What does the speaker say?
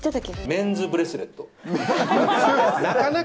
メンズブレスレット。